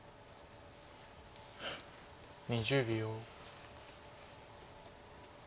２０秒。